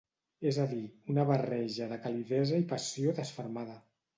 És a dir, una barreja de calidesa i passió desfermada.